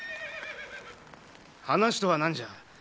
話とは何じゃ。